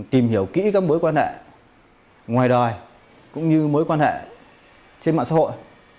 tìm hiểu kỹ các mối quan hệ ngoài đòi cũng như mối quan hệ trên mạng xã hội